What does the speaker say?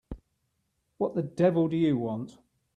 What the devil do you want?